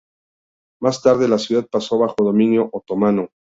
Más tarde, la ciudad pasó bajo dominio otomano.